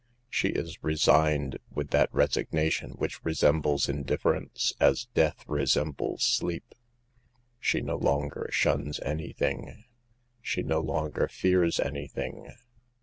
She is resigned, with that resignation which resembles indif ference, as death resembles sleep. She no longer shuns anything. She no longer fears anything.